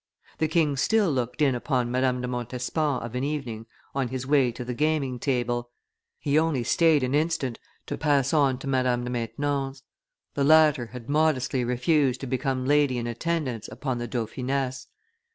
The king still looked in upon Madame de Montespan of an evening on his way to the gaming table; he only staid an instant, to pass on to Madame de Maintenon's; the latter had modestly refused to become lady in attendance upon the dauphiness.